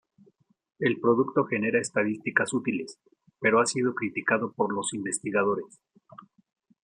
El producto genera estadísticas útiles, pero ha sido criticado por los investigadores.